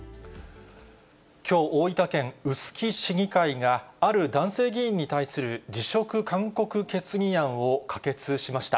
きょう、大分県臼杵市議会が、ある男性議員に対する辞職勧告決議案を可決しました。